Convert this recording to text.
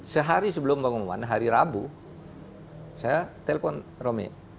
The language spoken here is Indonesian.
sehari sebelum bangun ke rumah hari rabu saya telpon romi